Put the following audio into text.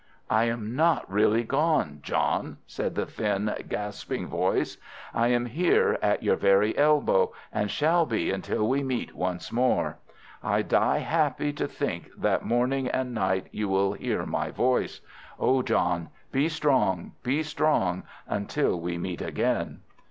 "I am not really gone, John," said the thin, gasping voice. "I am here at your very elbow, and shall be until we meet once more. I die happy to think that morning and night you will hear my voice. Oh, John, be strong, be strong, until we meet again."